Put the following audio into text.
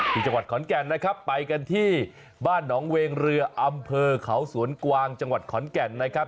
ที่จังหวัดขอนแก่นนะครับไปกันที่บ้านหนองเวงเรืออำเภอเขาสวนกวางจังหวัดขอนแก่นนะครับ